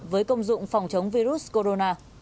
với công dụng phòng chống virus corona